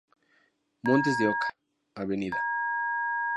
Montes de Oca, Av.